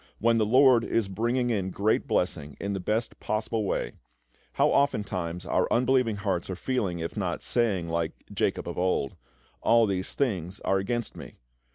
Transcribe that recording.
When the LORD is bringing in great blessing in the best possible way, how oftentimes our unbelieving hearts are feeling, if not saying, like Jacob of old, "All these things are against me."